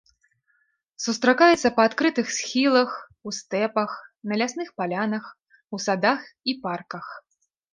Сустракаецца па адкрытых схілах, у стэпах, на лясных палянах, у садах і парках.